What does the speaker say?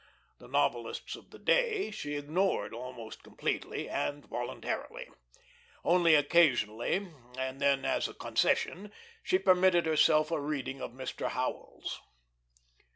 The novelists of the day she ignored almost completely, and voluntarily. Only occasionally, and then as a concession, she permitted herself a reading of Mr. Howells.